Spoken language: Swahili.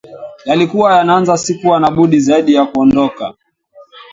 yalikuwa yanaanza Sikuwa na budi zaidi ya kuondoka